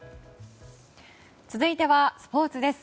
続いてはスポーツです。